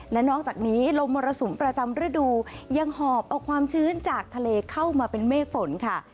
และนอกจากนี้ลมมรสุมประจำฤดูยังหอบเอาความชื้นจากทะเลเข้ามาเป็นเมฆฝนค่ะ